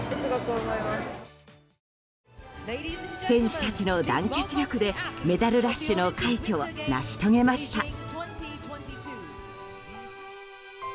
選手たちの団結力でメダルラッシュの快挙を成し遂げました。